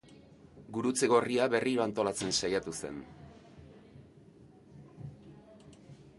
Gurutze Gorria berriro antolatzen saiatu zen.